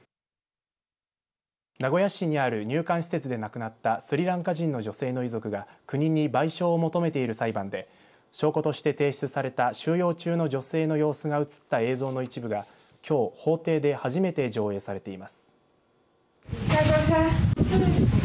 名古屋市にある入管施設で亡くなったスリランカ人の女性の遺族が国に賠償を求めている裁判で証拠として提出された収容中の女性の様子が映った映像の一部がきょう法廷で初めて上映されています。